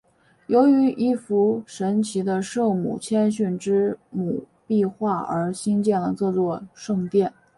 由于一幅神奇的圣母谦逊之母壁画而兴建了这座圣殿。